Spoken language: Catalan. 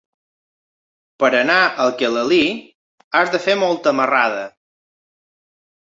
Per anar a Alcalalí has de fer molta marrada.